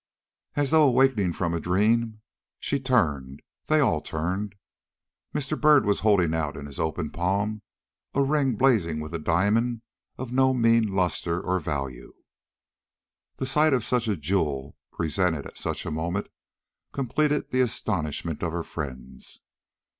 As though awakening from a dream she turned; they all turned. Mr. Byrd was holding out in his open palm a ring blazing with a diamond of no mean lustre or value. The sight of such a jewel, presented at such a moment, completed the astonishment of her friends.